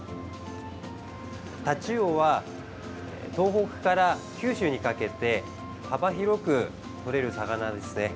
タチウオは東北から九州にかけて幅広くとれる魚ですね。